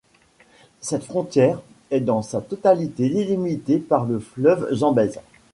Cette frontière est dans sa totalité délimitée par le fleuve Zambèse.